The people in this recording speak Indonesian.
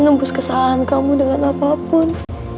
menembus kesalahan kamu dengan apapun